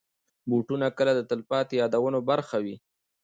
بوټونه کله د تلپاتې یادونو برخه وي.